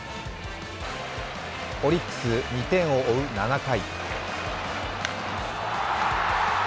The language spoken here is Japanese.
オリックスは２点を追う７回。